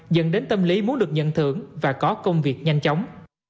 dẫn đến tâm lý muốn được nhận thưởng và có công việc nhanh chóng